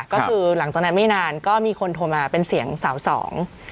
ก็คือหลังจากนั้นไม่นานก็มีคนโทรมาเป็นเสียงสาวสอง